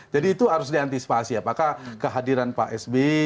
jadi itu harus diantisipasi apakah kehadiran pak sb